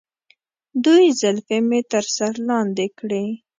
دوی زلفې مې تر سر لاندې کړي.